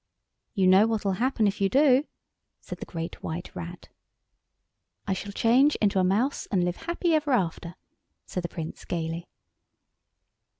"You know what'll happen if you do," said the Great White Rat. "I shall change into a mouse and live happy ever after," said the Prince gaily.